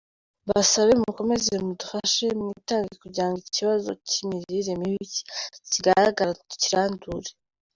Mbasabe mukomeze mudufashe, mwitange kugira ngo ikibazo cy’imirire mibi kikigaragara tukirandure”.